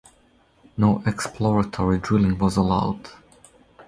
No exploratory drilling was allowed.